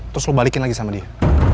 terus lo balikin lagi sama dia